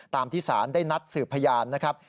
ที่ศาลได้นัดสืบพยานนะครับ